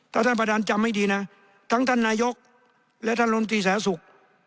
ถ้าท่านประดันจำให้ดีนะทั้งท่านนายกและท่านโรงตรีแสสุก